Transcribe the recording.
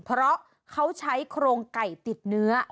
เพราะเขาใช้โครงไก่ติดเนื้อ